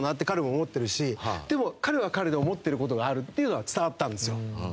でも彼は彼で思ってる事があるっていうのは伝わったんですよ。